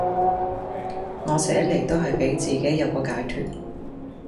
我寫嚟都係俾自己有個解脫